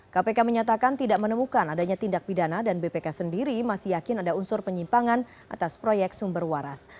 kpk menyatakan tidak menemukan adanya tindak pidana dan bpk sendiri masih yakin ada unsur penyimpangan atas proyek sumber waras